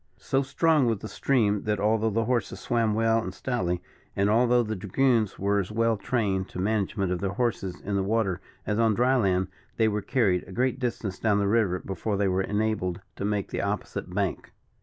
So strong was the stream that, although the horses swam well and stoutly, and although the dragoons were as well trained to the management of their horses in the water as on dry land, they were carried a great distance down the river before they were enabled to make the opposite bank.